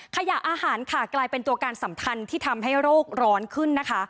ขยะอาหารค่ะกลายเป็นตัวการสำคัญที่ทำให้โรคร้อนขึ้นนะคะ